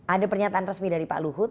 ada pernyataan resmi dari pak luhut